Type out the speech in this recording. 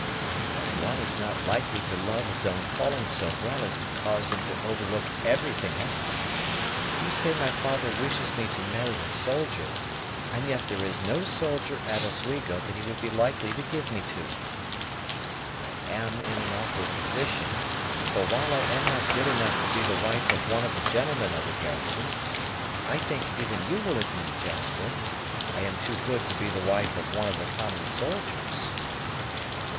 "But one is not likely to love his own calling so well as to cause him to overlook everything else. You say my father wishes me to marry a soldier; and yet there is no soldier at Oswego that he would be likely to give me to. I am in an awkward position; for while I am not good enough to be the wife of one of the gentlemen of the garrison, I think even you will admit, Jasper, I am too good to be the wife of one of the common soldiers."